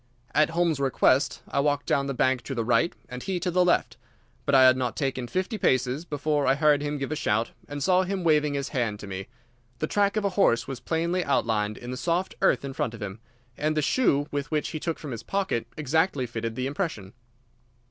At Holmes' request I walked down the bank to the right, and he to the left, but I had not taken fifty paces before I heard him give a shout, and saw him waving his hand to me. The track of a horse was plainly outlined in the soft earth in front of him, and the shoe which he took from his pocket exactly fitted the impression.